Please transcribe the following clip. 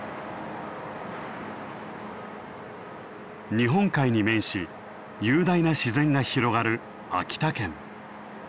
日本海に面し雄大な自然が広がる秋田県。